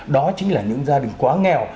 đó chính là những gia đình quá nghèo